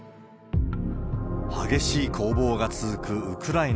激しい攻防が続くウクライナ